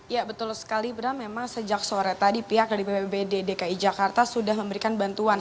ya betul sekali bram memang sejak sore tadi pihak dari bpbd dki jakarta sudah memberikan bantuan